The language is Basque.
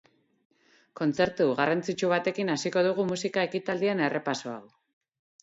Kontzertu garrantzitsu batekin hasiko dugu musika ekitaldien errepaso hau.